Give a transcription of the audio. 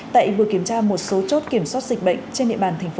tại vừa kiểm tra một số chốt kiểm soát dịch bệnh trên địa bàn tp hà nội